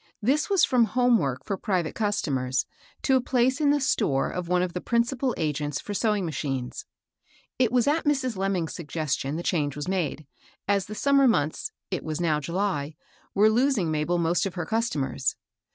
This was from home work for private customers to a place in the store of one of the principal agents for sewing machines. It was at Mrs. Lemming's suggestion the change was made, as the summer months (it was now July) were losing Mabel most of her customers.